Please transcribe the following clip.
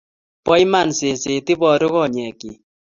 Bo iman seset, iboru konyekchi